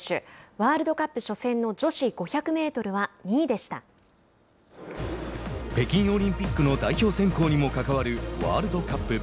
ワールドカップ初戦の女子５００メートルは北京オリンピックの代表選考にも関わるワールドカップ。